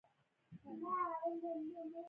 د بې روزګارۍ د مخنیوي لپاره لارې چارې عملي شي.